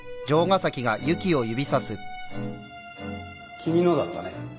君のだったね？